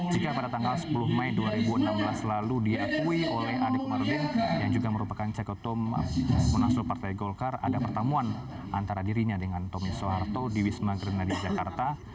jika pada tanggal sepuluh mei dua ribu enam belas lalu diakui oleh adekomarudin yang juga merupakan cekotum munaslup partai golkar ada pertemuan antara dirinya dengan tommy soeharto di wisma green lari jakarta